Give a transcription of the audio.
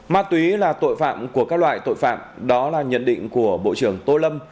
ma túy là tội phạm của các loại tội phạm đó là nhận định của bộ trưởng tô lâm